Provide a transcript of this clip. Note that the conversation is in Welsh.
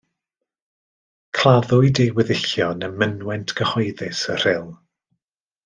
Claddwyd ei weddillion ym mynwent gyhoeddus y Rhyl.